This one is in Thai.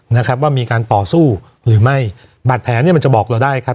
นะครับว่ามีการต่อสู้หรือไม่บาดแผลเนี้ยมันจะบอกเราได้ครับ